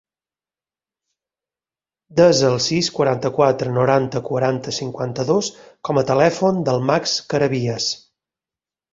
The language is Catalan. Desa el sis, quaranta-quatre, noranta, quaranta, cinquanta-dos com a telèfon del Max Carabias.